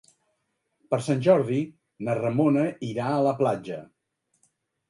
Per Sant Jordi na Ramona irà a la platja.